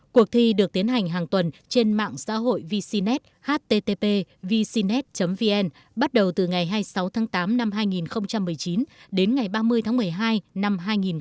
cuộc thi được tiến hành hàng tuần trên mạng xã hội vcnet http vcnet vn bắt đầu từ ngày hai mươi sáu tháng tám năm hai nghìn một mươi chín đến ngày ba mươi tháng một mươi hai năm hai nghìn một mươi chín